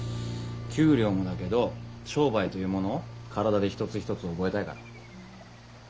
給料もだけど商売というものを体で一つ一つ覚えたいから。